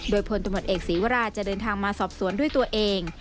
โดยพลตำรวจเอกศีวราจะเดินทางมาสอบสวนด้วยตัวเอง